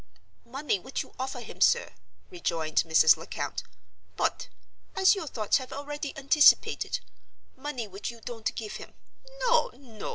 "Money which you offer him, sir," rejoined Mrs. Lecount; "but—as your thoughts have already anticipated—money which you don't give him. No! no!